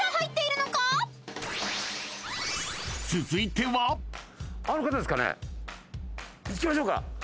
［続いては］行きましょうか。